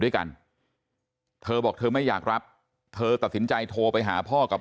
ด้วยกันเธอบอกเธอไม่อยากรับเธอตัดสินใจโทรไปหาพ่อกับ